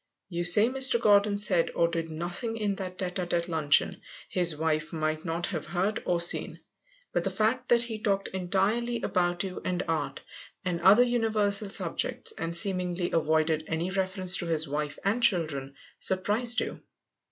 You say Mr. Gordon said or did nothing in that tête à tête luncheon his wife might not have heard or seen, but the fact that he talked entirely about you and art, and other universal subjects, and seemingly avoided any reference to his wife and children, surprised you.